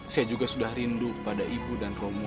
saya juga sudah rindu kepada ibu dan romo